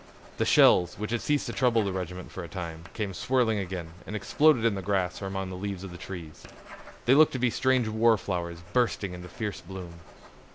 The shells, which had ceased to trouble the regiment for a time, came swirling again, and exploded in the grass or among the leaves of the trees. They looked to be strange war flowers bursting into fierce bloom.